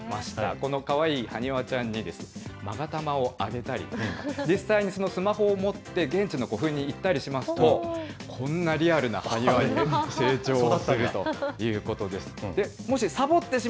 このかわいい埴輪ちゃんに、まが玉をあげたり、実際にスマホを持って現地の古墳に行ったりしますと、こんなリアルな埴輪に成長するということです。